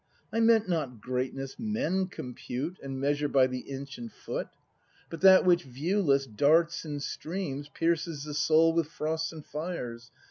I meant not greatness men compute, And measure by the inch and foot, But that which, viewless, darts and streams. Pierces the soul with frosts and fires.